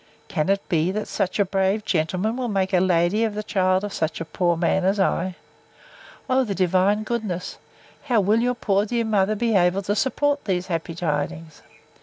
Can it be, that such a brave gentleman will make a lady of the child of such a poor man as I? O the divine goodness! How will your poor dear mother be able to support these happy tidings?